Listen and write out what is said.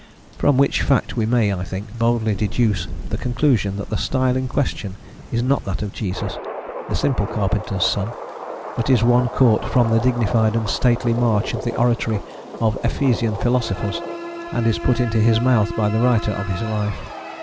From which fact we may, I think, boldly deduce the conclusion that the style in question is not that of Jesus, the simple carpenter's son, but is one caught from the dignified and stately march of the oratory of Ephesian philosophers, and is put into his mouth by the writer of his life.